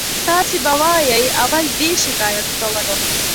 تاسې به وایئ اول دې شکایت کولو.